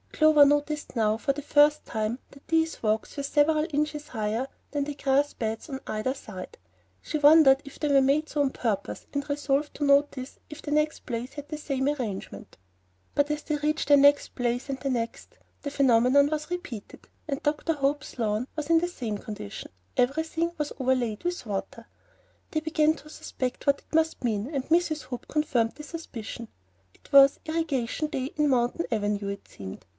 Clover noticed now, for the first time, that these walks were several inches higher than the grass beds on either side. She wondered if they were made so on purpose, and resolved to notice if the next place had the same arrangement. But as they reached the next place and the next, lo! the phenomenon was repeated and Dr. Hope's lawn too was in the same condition, everything was overlaid with water. They began to suspect what it must mean, and Mrs. Hope confirmed the suspicion. It was irrigation day in Mountain Avenue, it seemed.